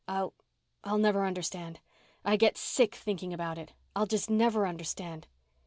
"I'll I'll never understand. I get sick thinking about it. I'll just never understand."